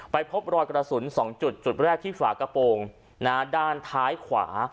พบรอยกระสุน๒จุดจุดแรกที่ฝากระโปรงด้านท้ายขวา